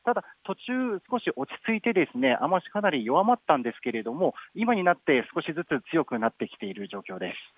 途中、落ち着いて雨足かなり弱まったんですけど今になって少しずつ強くなってきている状況です。